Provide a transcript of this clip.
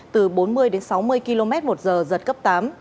từ bốn mươi đến sáu mươi km một giờ giật cấp tám